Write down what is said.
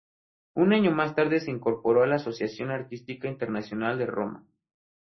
Un año más tarde se incorporó a la Asociación Artística Internacional de Roma.